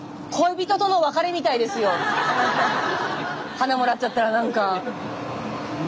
花もらっちゃったら何か。